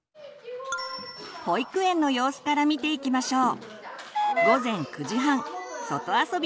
保育園の様子から見ていきましょう。